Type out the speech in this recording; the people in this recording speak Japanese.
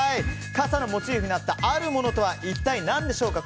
傘のモチーフになったあるものとは一体何でしょうか。